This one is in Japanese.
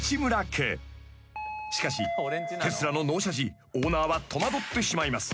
［しかしテスラの納車時オーナーは戸惑ってしまいます］